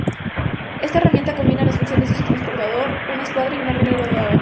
Esta herramienta combina las funciones de un transportador, una escuadra y una regla graduada.